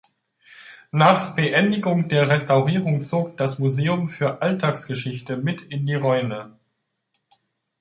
Nach Beendigung der Restaurierung zog das "„Museum für Alltagsgeschichte“" mit in die Räume.